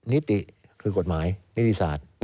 นิติคือกฎหมายนิติศาสตร์